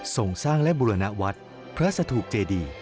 ส่งสร้างและบริวณาวัดพระสถูกเจดี